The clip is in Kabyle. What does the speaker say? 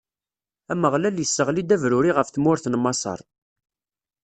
Ameɣlal isseɣli-d abruri ɣef tmurt n Maṣer.